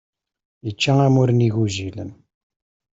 Yečča amur n igujilen.